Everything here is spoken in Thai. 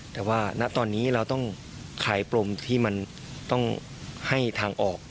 แต่ว่าณตอนนี้เราต้องคลายปรมที่มันต้องให้ทางออก